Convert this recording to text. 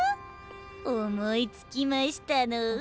思いつきましたの。